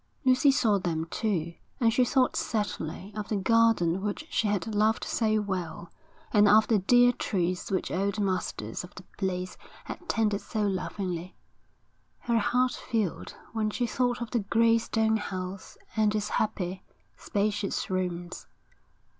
Lucy saw them, too, and she thought sadly of the garden which she had loved so well, and of the dear trees which old masters of the place had tended so lovingly. Her heart filled when she thought of the grey stone house and its happy, spacious rooms.